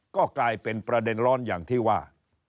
ก็กลายเป็นประเด็นร้อนอย่างที่ว่า